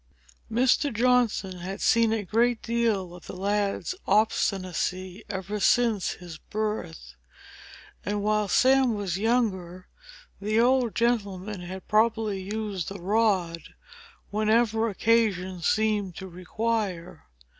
Mr. Johnson had seen a great deal of the lad's obstinacy ever since his birth; and while Sam was younger, the old gentleman had probably used the rod, whenever occasion seemed to require.